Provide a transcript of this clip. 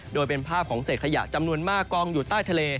โดยเป็นภาพของเศษขยะจำนวนมากกองอยู่ใต้ทะเล